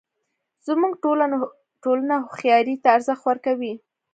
زموږ ټولنه هوښیارۍ ته ارزښت ورکوي